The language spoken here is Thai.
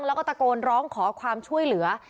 แล้วก็ตะโกนร้องขอความช่วยเหลือ